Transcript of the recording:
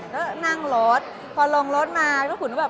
ก็นั่งรถพอลงรถมา